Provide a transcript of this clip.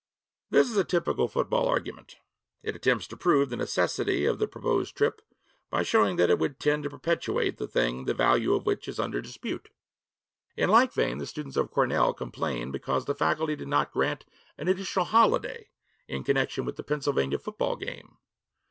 This is a typical football argument. It attempts to prove the necessity of the proposed trip by showing that it would tend to perpetuate the thing the value of which is under dispute. In like vein the students of Cornell complain because the faculty did not grant an additional holiday in connection with the Pennsylvania football game.